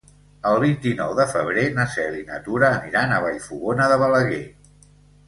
El vint-i-nou de febrer na Cel i na Tura aniran a Vallfogona de Balaguer.